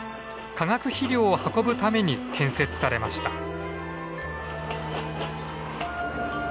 化学肥料を運ぶために建設されました。